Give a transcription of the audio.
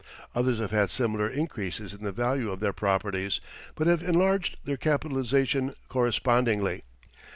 Others have had similar increases in the value of their properties, but have enlarged their capitalization correspondingly.